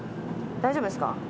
大丈夫ですか？